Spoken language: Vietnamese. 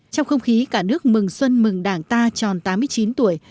trong không khí cả nước mừng xuân mừng đảng ta tròn tám mươi chín tuổi